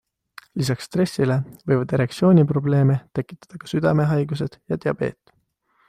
Lisaks stressile võivad erektsiooniprobleeme tekitada ka südamehaigused ja diabeet.